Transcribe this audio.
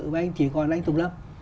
và anh chỉ còn anh tùng lâm